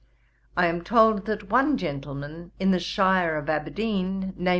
I am told that one gentleman in the shire of Aberdeen, viz.